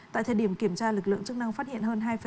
tại thời điểm kiểm tra lực lượng chức năng phát hiện hơn